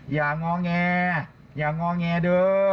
อย่างง้องแงอย่างง้องแงเด้อ